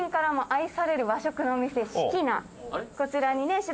こちらにね。